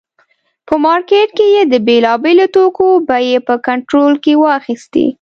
په مارکېټ کې یې د بېلابېلو توکو بیې په کنټرول کې واخیستې.